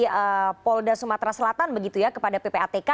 kapolda sumatera selatan begitu ya kepada ppatk